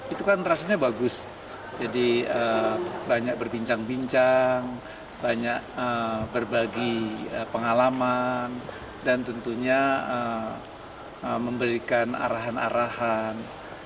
itu kan rasanya bagus jadi banyak berbincang bincang banyak berbagi pengalaman dan tentunya memberikan arahan arahan